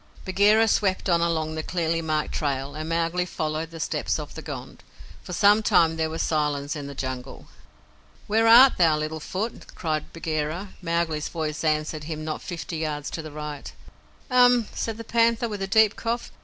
Bagheera swept on along the clearly marked trail, and Mowgli followed the steps of the Gond. For some time there was silence in the Jungle. "Where art thou, Little Foot?" cried Bagheera. Mowgli's voice answered him not fifty yards to the right. "Um!" said the Panther, with a deep cough.